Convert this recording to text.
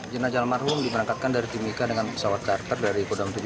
jenasa almarhum dimerangkatkan dari timika dengan pesawat charter dari kodam tujuh belas